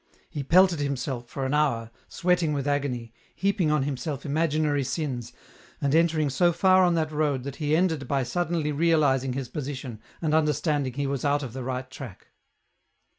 He pelted himself for an hour, sweating with agony, heaping on himself imaginary sins, and entering so far on that road that he ended by suddenly realizing his position and understanding he was out of the right track.